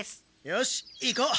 よし行こう！